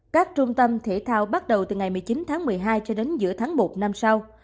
các trung tâm thể thao bắt đầu từ ngày một mươi chín tháng một mươi hai cho đến giữa tháng một năm sau